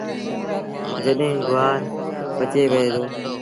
جڏهيݩ گُوآر پچي وهي دو۔